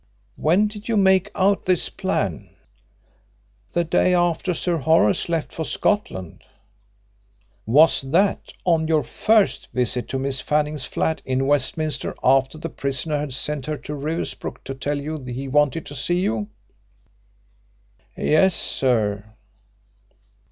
"When did you make out this plan?" "The day after Sir Horace left for Scotland." "Was that on your first visit to Miss Fanning's flat in Westminster after the prisoner had sent her to Riversbrook to tell you he wanted to see you?" "Yes, sir."